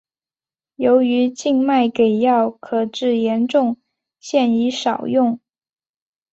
由于静脉给药可致严重现已少用。